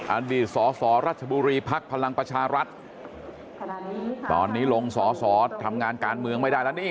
อดีตสสรัชบุรีภักดิ์พลังประชารัฐตอนนี้ลงสอสอทำงานการเมืองไม่ได้แล้วนี่